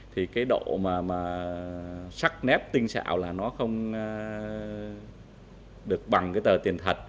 thì cái độ mà sắc nếp tinh xạo là nó không được bằng cái tờ tiền thật